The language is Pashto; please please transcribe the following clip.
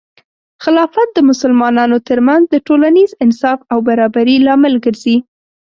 خلافت د مسلمانانو ترمنځ د ټولنیز انصاف او برابري لامل ګرځي.